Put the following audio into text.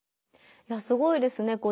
いやすごいですね。